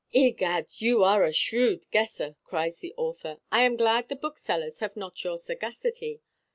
"Egad, you are a shrewd guesser," cries the author. "I am glad the booksellers have not your sagacity.